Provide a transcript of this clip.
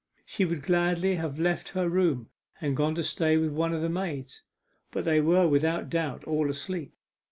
She would gladly have left her room and gone to stay with one of the maids, but they were without doubt all asleep.